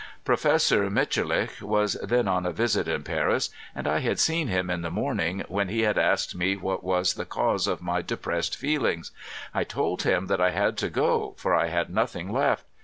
Professor Mitscherlich was then on a visit in Paris, and I had seen him in the morning, when he had asked me what was the cause of my depressed feelings ; I told him that I had to go for I had nothing left.